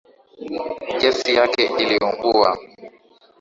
Gesi yake iliungua